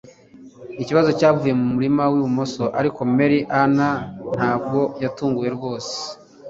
Ikibazo cyavuye mumurima wibumoso, ariko Mary Ann ntabwo yatunguwe rwose